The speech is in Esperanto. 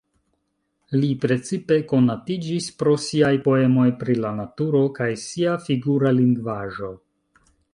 Li precipe konatiĝis pro siaj poemoj pri la naturo kaj sia figura lingvaĵo.